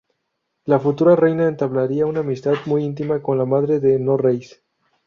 La futura reina entablaría una amistad muy íntima con la madre de Norreys.